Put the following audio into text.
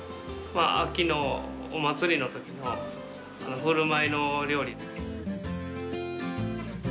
秋のお祭りの時のふるまいの料理。